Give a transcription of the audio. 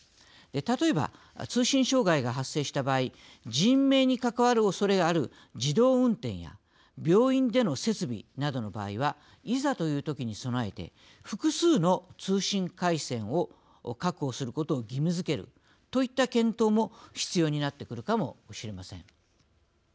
例えば、通信障害が発生した場合人命に関わるおそれがある自動運転や病院での設備などの場合はいざというときに備えて複数の通信回線を確保することを義務づけるといった検討も必要になってくるかもしれません。